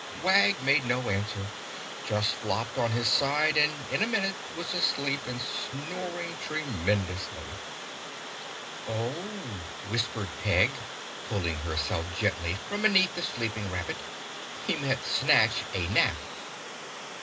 Wag made no answer—just flopped on his side and in a minute was asleep and snoring tremendously. "Oh!" whispered Peg, pulling herself gently from beneath the sleeping rabbit. "He meant snatch a nap."